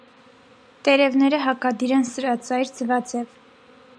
Տերևները հակադիր են սրածայր, ձվաձև։